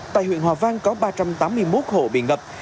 tại huyện hòa vang có ba trăm tám mươi một hộ bị ngập